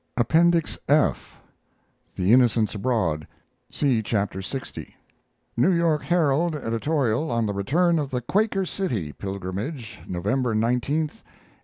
APPENDIX F THE INNOCENTS ABROAD (See Chapter lx) NEW YORK "HERALD" EDITORIAL ON THE RETURN OF THE "QUAKER CITY" PILGRIMAGE, NOVEMBER 19, 1867.